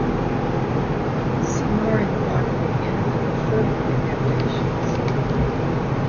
"Cimarron" marked the end of the Ferber adaptations.